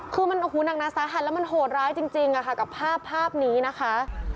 คือมันนางนาสาหัสแล้วมันโหดร้ายจริงอ่ะค่ะกับภาพนี้นะคะ